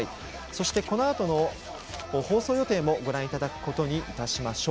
そして、このあとの放送予定もご覧いただきます。